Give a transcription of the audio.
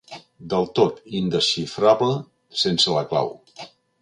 Del tot indesxifrable sense la clau.